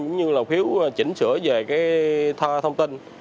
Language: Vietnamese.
cũng như là phiếu chỉnh sửa về thông tin